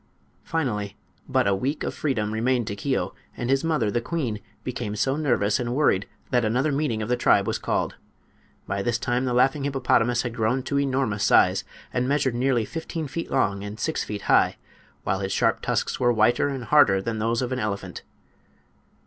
Finally but a week of freedom remained to Keo, and his mother, the queen, became so nervous and worried that another meeting of the tribe was called. By this time the laughing hippopotamus had grown to enormous size, and measured nearly fifteen feet long and six feet high, while his sharp tusks were whiter and harder than those of an elephant.